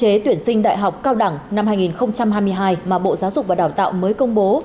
cơ chế tuyển sinh đại học cao đẳng năm hai nghìn hai mươi hai mà bộ giáo dục và đào tạo mới công bố